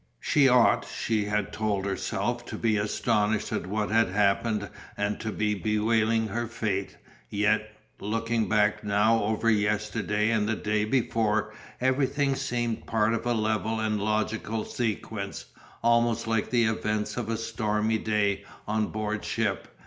She ought, so she told herself, to be astonished at what had happened and to be bewailing her fate, yet, looking back now over yesterday and the day before, everything seemed part of a level and logical sequence, almost like the events of a stormy day on board ship.